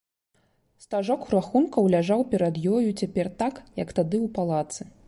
Стажок рахункаў ляжаў перад ёю цяпер так, як тады ў палацы.